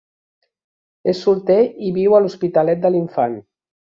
És solter i viu a l'Hospitalet de l'Infant.